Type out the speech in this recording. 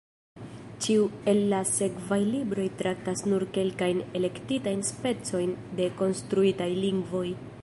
Ĉiu el la sekvaj libroj traktas nur kelkajn elektitajn specojn de konstruitaj lingvoj.